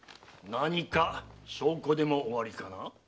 何か証拠でもおありかな？